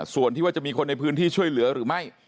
ส่วนที่ว่าจะมีคนในพื้นที่ช่วยเหลือหรือไม่